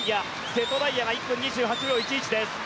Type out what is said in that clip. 瀬戸大也が１分２８秒１１です。